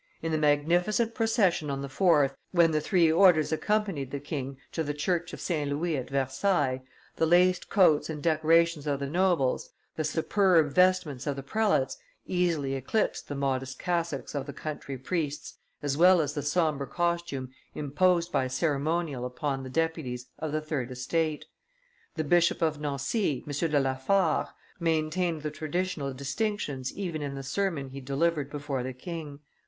In the magnificent procession on the 4th, when the three orders accompanied the king to the church of St. Louis at Versailles, the laced coats and decorations of the nobles, the superb vestments of the prelates, easily eclipsed the modest cassocks of the country priests as well as the sombre costume imposed by ceremonial upon the deputies of the third estate; the Bishop of Nancy, M. de la Fare, maintained the traditional distinctions even in the sermon he delivered before the king.